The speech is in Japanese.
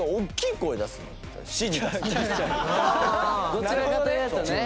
どちらかというとね。